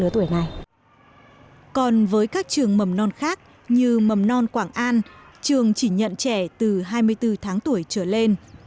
từ mầm non quảng an trường chỉ nhận trẻ từ hai mươi bốn tháng tuổi trở lên